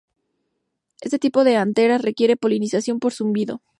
Este tipo de anteras requiere polinización por zumbido.